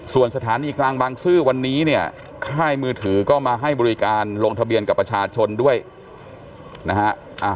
ส่วนสถานีกลางบางซื่อวันนี้เนี่ยค่ายมือถือก็มาให้บริการลงทะเบียนกับประชาชนด้วยนะฮะ